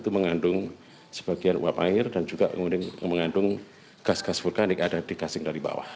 mengandung sebagian uap air dan juga kemudian mengandung gas gas vulkanik ada di kasing dari bawah